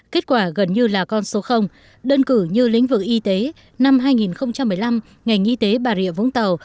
kết quả gần như là con số đơn cử như lĩnh vực y tế năm hai nghìn một mươi năm ngành y tế bà rịa vũng tàu